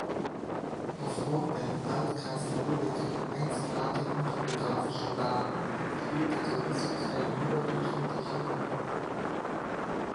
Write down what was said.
Aufgrund der im Altkreis Lübbecke einzigartigen topografischen Lage, spielt der Tourismus eine überdurchschnittliche Rolle.